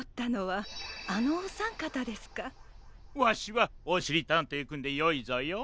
わしはおしりたんていくんでよいぞよ。